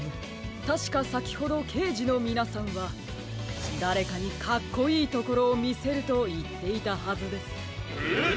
たしかさきほどけいじのみなさんはだれかにかっこいいところをみせるといっていたはずです。え！？